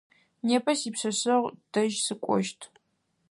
Непэ сипшъэшъэгъу дэжь сыкӏощт.